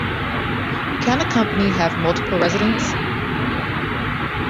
Can a company have multiple residence?